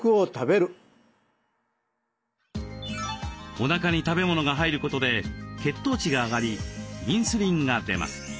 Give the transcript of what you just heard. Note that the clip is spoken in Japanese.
おなかに食べ物が入ることで血糖値が上がりインスリンが出ます。